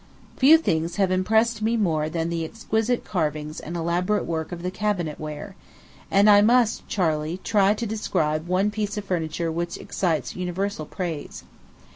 Few things have impressed me more than the exquisite carvings and elaborate work of the cabinet ware; and I must, Charley, try to describe one piece of furniture which excites universal praise.